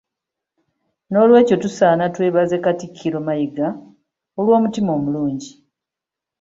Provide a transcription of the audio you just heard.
Nolwekyo tusaana twebaze Katikkiro Mayiga olw'omutima omulungi.